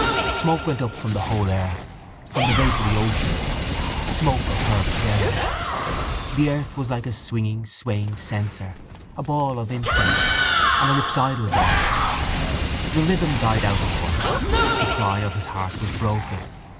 Smoke went up from the whole earth, from the vapoury oceans, smoke of her praise. The earth was like a swinging swaying censer, a ball of incense, an ellipsoidal ball. The rhythm died out at once; the cry of his heart was broken.